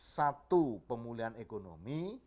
satu pemulihan ekonomi